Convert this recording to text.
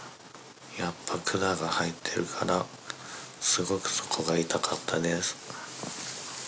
やっぱ管が入ってるからすごくそこが痛かったです